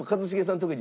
特に。